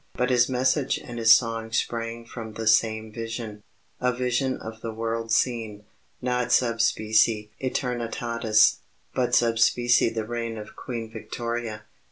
But his message and his song sprang from the same vision a vision of the world seen, not sub specie æternitatis, but sub specie the reign of Queen Victoria.